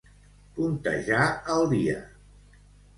Puntejar el dia.